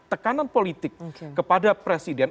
tekanan politik kepada presiden